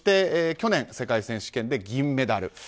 去年、世界選手権で銀メダル。